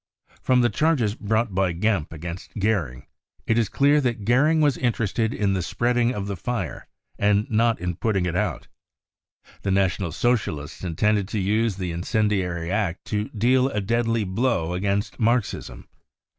From the charges brought by Gempp against Goering it is clear that Goering was interested in the spreading of the fire, and not in putting it out. The National Socialists intended to use the incendiary act to deal a deadly blow against Marxism.